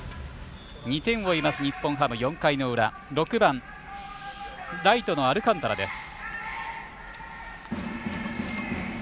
２点を追います、日本ハム４回の裏、６番、ライトのアルカンタラです。